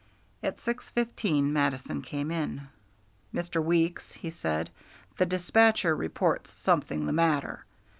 At six fifteen Mattison came in. "Mr. Weeks," he said, "the despatcher reports something the matter.